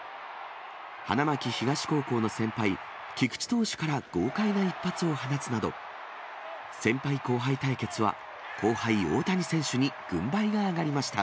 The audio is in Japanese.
花巻東高校の先輩、菊池投手から豪快な一発を放つなど、先輩後輩対決は、後輩、大谷選手に軍配が上がりました。